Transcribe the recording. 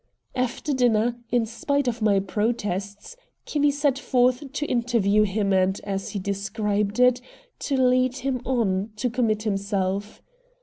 After dinner, in spite of my protests, Kinney set forth to interview him and, as he described it, to "lead him on" to commit himself.